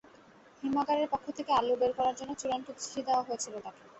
হিমাগারের পক্ষ থেকে আলু বের করার জন্য চূড়ান্ত চিঠি দেওয়া হয়েছিল তাঁকে।